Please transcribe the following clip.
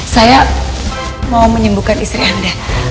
saya mau menyembuhkan istri anda